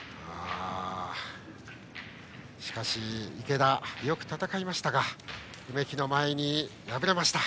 しかし、池田はよく戦いましたが梅木の前に敗れました。